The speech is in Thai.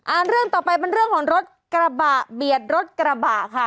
เรื่องต่อไปเป็นเรื่องของรถกระบะเบียดรถกระบะค่ะ